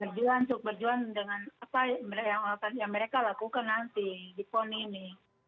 berjuang untuk berjuang dengan apa yang mereka lakukan nanti di pon ini